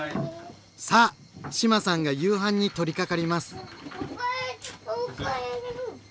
さあ志麻さんが夕飯に取りかかります。